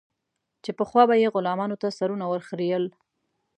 چې پخوا به یې غلامانو ته سرونه ور خرئېل.